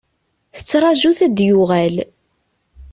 Tettraju-t ad d-yuɣal.